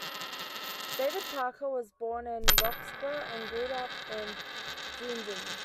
David Parker was born in Roxburgh and grew up in Dunedin.